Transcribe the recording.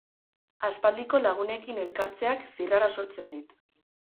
Aspaldiko lagunekin elkartzeak zirrara sortzen dit